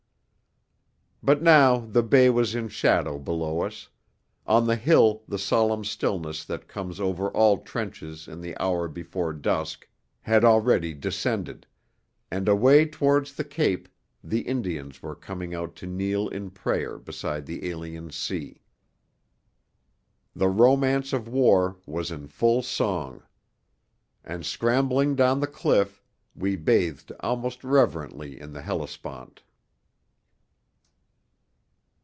But now the bay was in shadow below us; on the hill the solemn stillness that comes over all trenches in the hour before dusk had already descended, and away towards the cape the Indians were coming out to kneel in prayer beside the alien sea. The Romance of War was in full song. And scrambling down the cliff, we bathed almost reverently in the Hellespont.